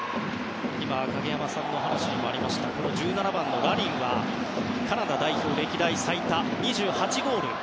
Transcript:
影山さんの話にもありましたが１７番のラリンは歴代最多２８ゴール